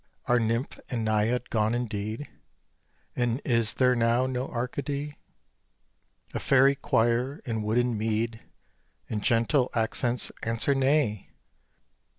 Are nymph and naiad gone indeed, And is there now no Arcady? A fairy choir in wood and mead In gentle accents answer, "Nay."